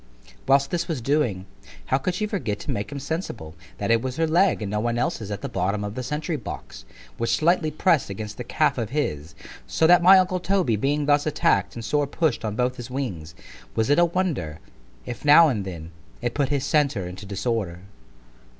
Whilst this was doing, how could she forget to make him sensible, that it was her leg (and no one's else) at the bottom of the sentry box, which slightly press'd against the calf of his——So that my uncle Toby being thus attack'd and sore push'd on both his wings——was it a wonder, if now and then, it put his centre into disorder?